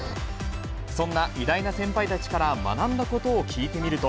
そんな偉大な先輩たちから学んだことを聞いてみると。